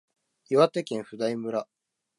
岩手県普代村